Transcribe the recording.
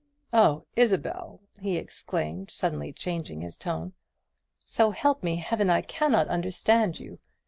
Oh, Isabel!" he exclaimed, suddenly changing his tone, "so help me Heaven, I cannot understand you.